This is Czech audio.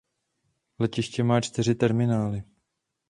Letiště má čtyři terminály.